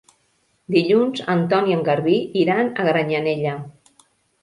Dilluns en Ton i en Garbí iran a Granyanella.